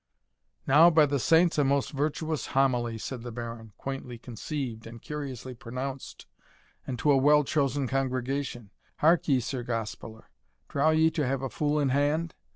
"Now, by the Saints, a most virtuous homily!" said the Baron; "quaintly conceived and curiously pronounced, and to a well chosen congregation. Hark ye, Sir Gospeller! trow ye to have a fool in hand?